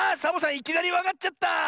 いきなりわかっちゃった！